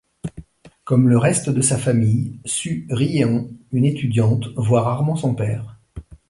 Comme le reste de sa famille, Su-ryeon, une étudiante, voit rarement son père.